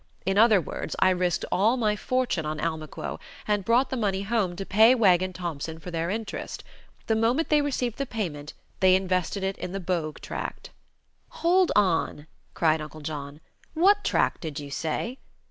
In other words I risked all my fortune on Almaquo, and brought the money home to pay Wegg and Thompson for their interest. The moment they received the payment they invested it in the Bogue tract " "Hold on!" cried Uncle John. "What tract did you say?"